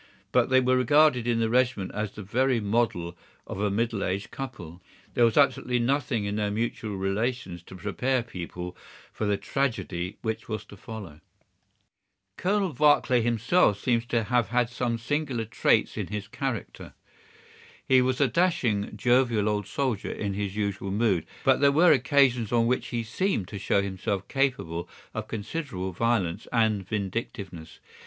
But they were regarded in the regiment as the very model of a middle aged couple. There was absolutely nothing in their mutual relations to prepare people for the tragedy which was to follow. "Colonel Barclay himself seems to have had some singular traits in his character. He was a dashing, jovial old soldier in his usual mood, but there were occasions on which he seemed to show himself capable of considerable violence and vindictiveness.